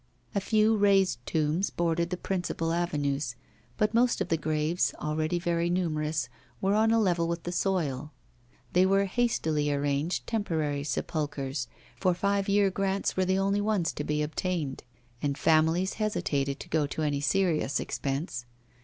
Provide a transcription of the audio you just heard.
A few raised tombs bordered the principal avenues, but most of the graves, already very numerous, were on a level with the soil. They were hastily arranged temporary sepulchres, for five year grants were the only ones to be obtained, and families hesitated to go to any serious expense.